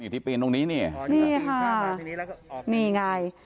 ที่ปีนตรงนี้นี่ค่ะนี่ไง